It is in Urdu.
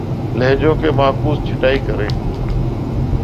لہجوں کی معکوس چھٹائی کریں